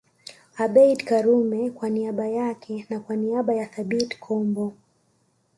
Abeid Karume kwa niaba yake na kwa niaba ya Thabit Kombo